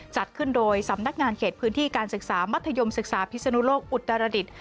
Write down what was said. จัดขึ้นโดยสำนักงานเขตพื้นที่การศึกษามัธยมศึกษาพิศนุโลกอุตรดิษฐ์